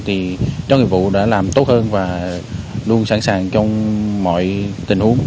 thì chó nghiệp vụ đã làm tốt hơn và luôn sẵn sàng trong mọi tình huống